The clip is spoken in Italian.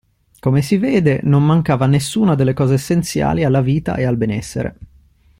Come si vede non mancava nessuna delle cose essenziali alla vita e al benessere.